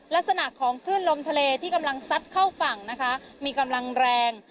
ลักษณะของคลื่นลมทะเลที่กำลังซัดเข้าฝั่งนะคะมีกำลังแรง